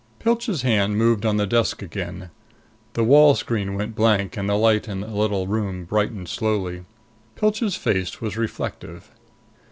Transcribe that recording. Pilch's hand moved on the desk again. The wall screen went blank, and the light in the little room brightened slowly. Pilch's face was reflective.